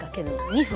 ２分。